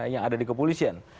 yang ada di kepolisian